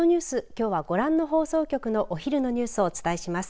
きょうはご覧の放送局のお昼のニュースをお伝えします。